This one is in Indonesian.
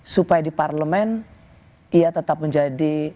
supaya di parlemen ia tetap menjadi